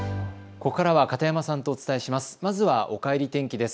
ここからは片山さんとお伝えします。